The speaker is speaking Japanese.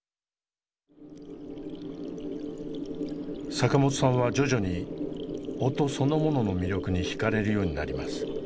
坂本さんは徐々に音そのものの魅力に惹かれるようになります。